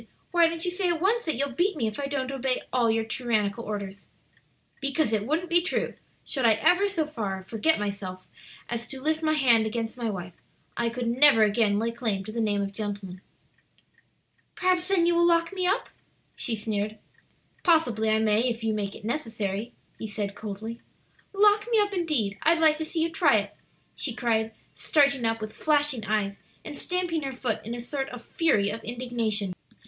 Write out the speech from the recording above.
Why don't you say at once that you'll beat me if I don't obey all your tyrannical orders?" "Because it wouldn't be true; should I ever so far forget myself as to lift my hand against my wife, I could never again lay claim to the name of gentleman." "Perhaps, then, you will lock me up?" she sneered. "Possibly I may, if you make it necessary," he said coldly. "Lock me up, indeed! I'd like to see you try it!" she cried, starting up with flashing eyes, and stamping her foot in a sort of fury of indignation.